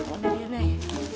oh ini dia nih